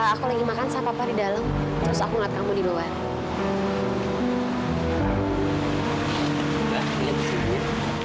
aku lagi makan saya papar di dalam terus aku ngeliat kamu di bawah